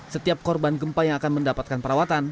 setiap korban gempa yang akan mendapatkan perawatan